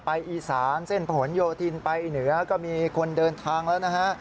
อีสานเส้นผนโยธินไปเหนือก็มีคนเดินทางแล้วนะฮะ